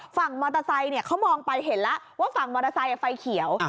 ฝั่งมอเตอร์ไซค์เขามองไปเห็นแล้วว่าฝั่งมอเตอร์ไซค์ไฟเขียว